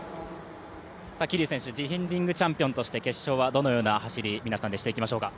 ディフェンディングチャンピオンとして決勝はどのような走り皆さんでしていきますか？